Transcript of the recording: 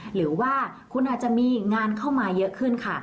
หรือว่าคุณอาจจะมีงานเข้ามาเยอะขึ้นค่ะ